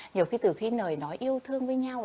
nhiều khi từ khi nồi nói yêu thương với nhau